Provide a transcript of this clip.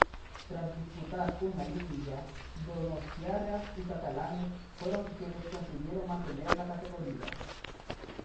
Tras disputar una liguilla, donostiarras y catalanes fueron quienes consiguieron mantener la categoría.